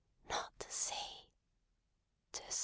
Not to sea? To sea.